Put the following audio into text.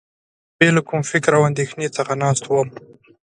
بې له کوم فکر او اندېښنې څخه ناست وم.